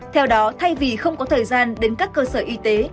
theo đó thay vì không có thời gian đến các cơ sở y tế